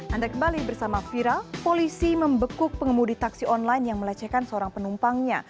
anda kembali bersama viral polisi membekuk pengemudi taksi online yang melecehkan seorang penumpangnya